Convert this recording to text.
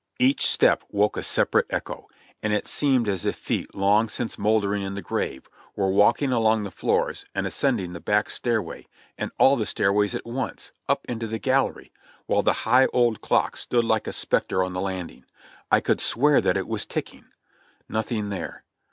Each step woke a separate echo, and it seemed as if feet long since moldering in the grave were walking along the floors and ascending the back stairway and all the stairways at once, up into the gallery, while the high old clock stood like a spectre on the landing — I could swear that it was ticking . Nothing there.